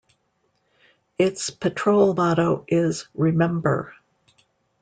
Its patrol motto is Remember!